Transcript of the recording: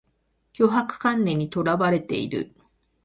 強迫観念にとらわれる